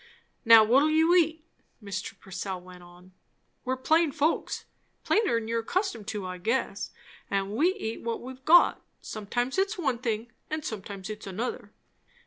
"Now, what'll you eat?" Mr. Purcell went on. "We're plain folks plainer 'n you're accustomed to, I guess; and we eat what we've got; sometimes it's one thing and sometimes it's another.